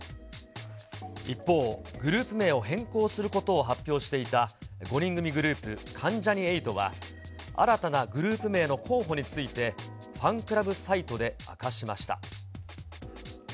一方、グループ名を変更することを発表していた５人組グループ、関ジャニ∞は、新たなグループ名の候補について、ファンクラブサイトで明かしました。